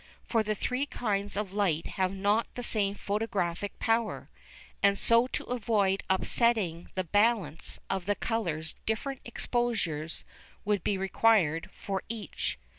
For the three kinds of light have not the same photographic power, and so to avoid upsetting the "balance" of the colours different exposures would be required for each.